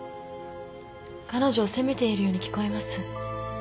彼女を責めているように聞こえます。